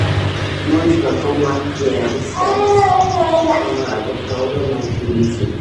موږ په کوم وخت کي حدیث ته په مراجعه کولو مجبوریږو؟